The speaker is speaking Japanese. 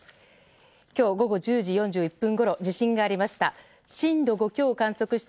今日午後１０時４１分ごろ地震がありました。